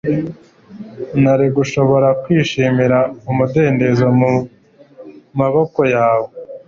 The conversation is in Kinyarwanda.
Nari gushobora kwishimira umudendezo mu maboko yawe